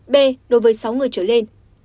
b đối với sáu người trở lên